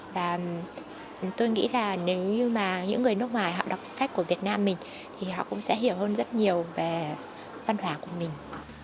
và tôi nghĩ là nếu như mà những người nước ngoài họ đọc sách của việt nam mình thì họ cũng sẽ hiểu hơn rất nhiều về văn hóa của mình